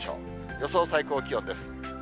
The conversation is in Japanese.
予想最高気温です。